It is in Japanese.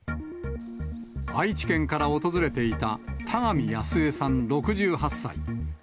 愛知県から訪れていた田上やすえさん６８歳。